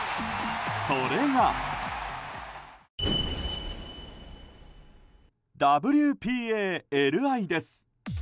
それが、ＷＰＡ／ＬＩです。